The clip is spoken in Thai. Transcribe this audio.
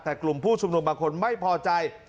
แต่กลุ่มผู้ชุมนุมบางคนไม่พอใจ